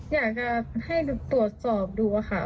อยากจะให้ตรวจสอบดูค่ะ